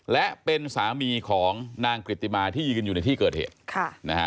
และเป็นสามีของนางกริติมาที่ยืนอยู่ในที่เกิดเหตุค่ะนะฮะ